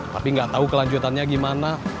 tapi gak tau kelanjutannya gimana